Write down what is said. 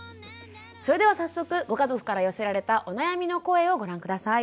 それでは早速ご家族から寄せられたお悩みの声をご覧下さい。